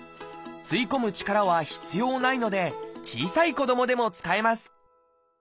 吸い込む力は必要ないので小さい子どもでも使えます